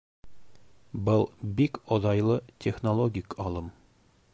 — Был бик оҙайлы технологик алым.